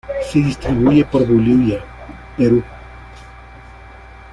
Se distribuye por Bolivia, Perú.